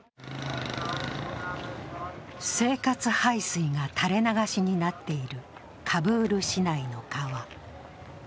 生活排水が垂れ流しになっているカブール市内の川。